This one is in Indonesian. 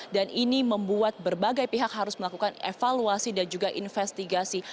dan ini membuat berbagai pihak harus melakukan evaluasi dan juga investigasi